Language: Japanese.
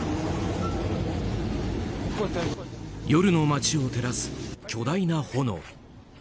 夜の街を照らす巨大な炎。